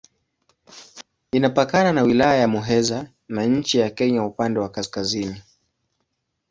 Inapakana na Wilaya ya Muheza na nchi ya Kenya upande wa kaskazini.